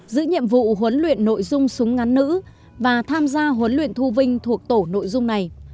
giữ nhiệm vụ huấn luyện nội dung súng ngắn nữ và tham gia huấn luyện thu vinh thuộc tổ nội dung này